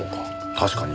確かに。